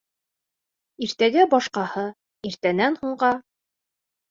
Иртәгә башҡаһы, иртәнән һуңға...